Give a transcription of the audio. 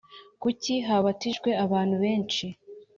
Kuki habatijwe abantu benshi